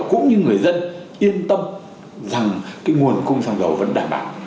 cũng như người dân yên tâm rằng cái nguồn cung xăng dầu vẫn đảm bảo